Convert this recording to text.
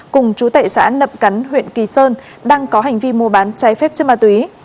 cùng chú tệ xã nậm cắn huyện kỳ sơn đang có hành vi mua bán trái phép chất ma túy